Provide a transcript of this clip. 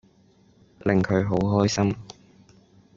令佢好開心